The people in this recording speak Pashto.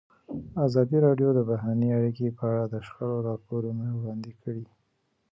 ازادي راډیو د بهرنۍ اړیکې په اړه د شخړو راپورونه وړاندې کړي.